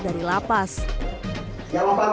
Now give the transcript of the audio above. dan yang terjadi di jawa barat